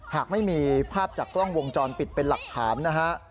หากไม่มีภาพจากกล้องวงจรปิดเป็นหลักฐานนะฮะ